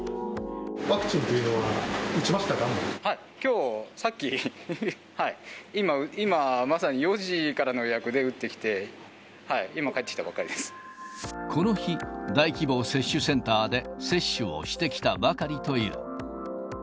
ワクチンというのは、打ちまはい、きょう、さっき、今、まさに４時からの予約で打ってきて、この日、大規模接種センターで接種をしてきたばかりという。